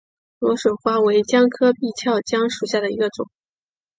莴笋花为姜科闭鞘姜属下的一个种。